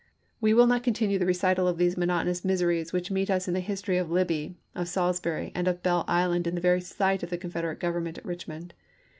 We will not continue the recital of those monot onous miseries which meet us in the history of Libby, of Salisbury, and of Belle Isle in the very sight of the Confederate Government at Eichmond.